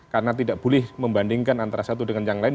karena tidak boleh membandingkan antara satu dengan yang lain